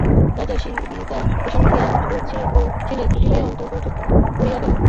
রাজার শিবিকা প্রাঙ্গণে গিয়া পৌঁছিলে কুটিরে অত্যন্ত গোলযোগ পড়িয়া গেল।